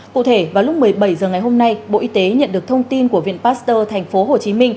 cụ thể vào lúc một mươi bảy h ngày hôm nay bộ y tế nhận được thông tin của viện pasteur tp hcm